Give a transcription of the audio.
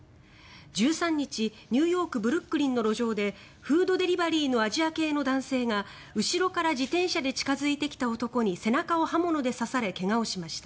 １３日、ニューヨーク・ブルックリンの路上でフードデリバリーのアジア系の男性が後ろから自転車で近付いてきた男に背中を刃物で刺され怪我をしました。